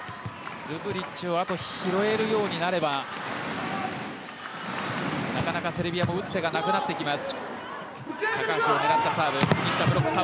ルブリッチが拾えるようになればなかなかセルビアも打つ手がなくなってきます。